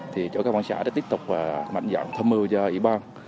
thì chỗ camera an ninh sẽ tiếp tục mạnh dọn thông mưu cho ủy ban